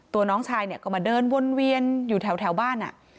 น้องชายเนี่ยก็มาเดินวนเวียนอยู่แถวบ้าน